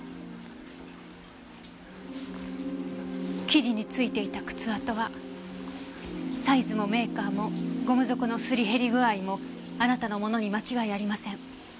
生地に付いていた靴跡はサイズもメーカーもゴム底の磨り減り具合もあなたのものに間違いありません。